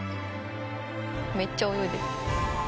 めっちゃ泳いでる。